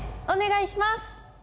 お願いします！